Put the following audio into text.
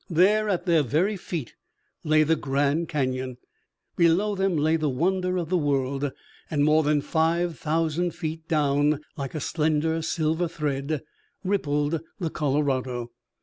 There at their very feet lay the Grand Canyon. Below them lay the wonder of the world, and more than five thousand feet down, like a slender silver thread, rippled the Colorado.